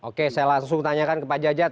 oke saya langsung tanyakan ke pak jajat